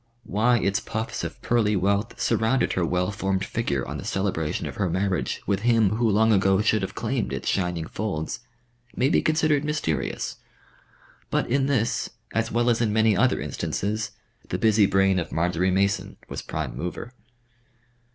Why its puffs of pearly wealth surrounded her well formed figure on the celebration of her marriage with him who long ago should have claimed its shining folds, may be considered mysterious. But in this, as well as in many other instances, the busy brain of Marjory Mason was prime mover.